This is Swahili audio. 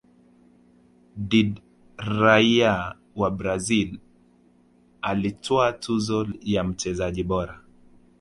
Did raia wa brazil alitwaa tuzo ya mchezaji bora